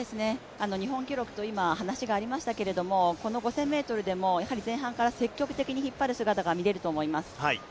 日本記録と今、話がありましたけどこの５０００ｍでも前半から積極的に引っ張る姿が見られると思います。